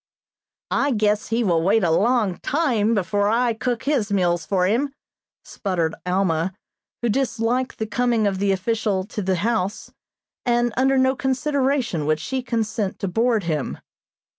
"I guess he will wait a long time before I cook his meals for him," sputtered Alma, who disliked the coming of the official to the house, and under no consideration would she consent to board him.